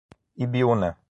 Ibiúna